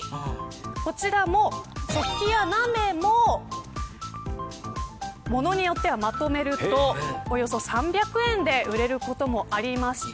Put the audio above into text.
こちらも食器や鍋もものによっては、まとめるとおよそ３００円で売れることもありまして